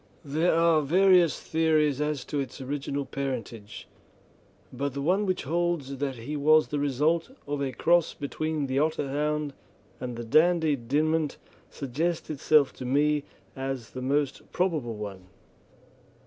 There are various theories as to its original parentage, but the one which holds that he was the result of a cross between the Otterhound and the Dandie Dinmont suggests itself to me as the most probable one.